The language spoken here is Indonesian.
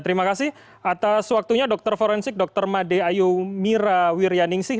terima kasih atas waktunya dr forensik dr made ayu mira wirjaningsih